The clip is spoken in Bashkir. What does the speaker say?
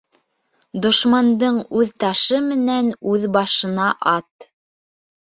Дошмандың үҙ ташы менән үҙ башына ат.